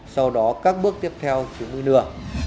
sau đó các bước tiếp theo chứng minh lừa